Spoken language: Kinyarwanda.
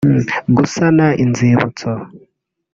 gusana inzibutso